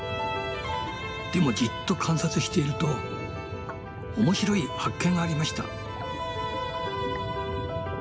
でもじっと観察していると面白い発見がありました。